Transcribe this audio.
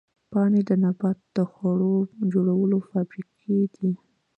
پاڼې د نبات د خوړو جوړولو فابریکې دي